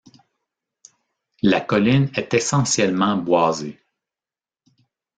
La colline est essentiellement boisée.